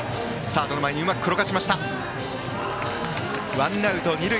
ワンアウト、二塁。